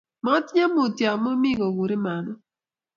Matinyi Mutyo amu mi koguriin mama